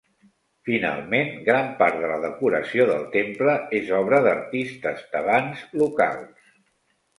Finalment, gran part de la decoració del temple és obra d'artistes tebans locals.